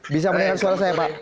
bisa mendengar suara saya pak